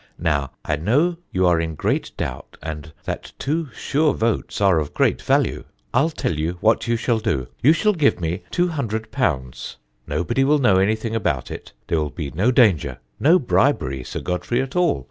Now, I know you are in great doubt, and that two sure votes are of great value: I'll tell you what you shall do. You shall give me _£_200; nobody will know any thing about it; there will be no danger no bribery, Sir Godfrey, at all.